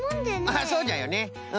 ああそうじゃよねうん。